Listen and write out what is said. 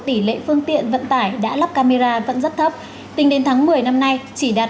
tỉ lệ phương tiện vận tải đã lắp camera vẫn rất thấp tính đến tháng một mươi năm nay chỉ đạt một mươi bảy